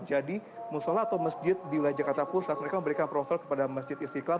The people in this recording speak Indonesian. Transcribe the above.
jadi musola atau masjid di wilayah jakarta pusat mereka memberikan proposal kepada masjid istiqlal